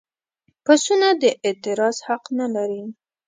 پسونه د اعتراض حق نه لري.